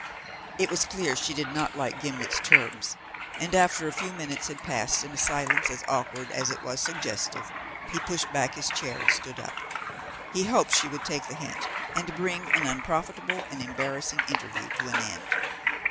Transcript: It was clear she did not like Gimblet's terms; and after a few minutes had passed in a silence as awkward as it was suggestive he pushed back his chair and stood up. He hoped she would take the hint and bring an unprofitable and embarrassing interview to an end.